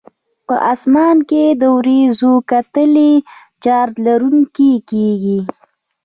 په اسمان کې د وریځو کتلې چارج لرونکي کیږي.